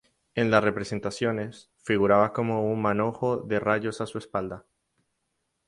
En las representaciones, figuraba con un manojo de rayos en su espalda.